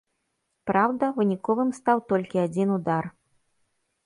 Праўда, выніковым стаў толькі адзін удар.